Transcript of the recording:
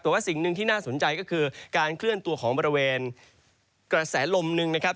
แต่ว่าสิ่งหนึ่งที่น่าสนใจก็คือการเคลื่อนตัวของบริเวณกระแสลมหนึ่งนะครับ